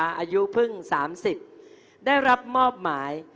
อายุเพิ่ง๓๐ได้รับมอบหมาย